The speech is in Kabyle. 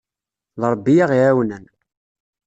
D Ṛebbi ay aɣ-iɛawnen.